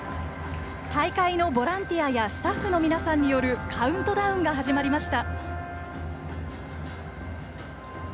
大会のボランティアやスタッフの皆さんによるカウントダウンが始まりました。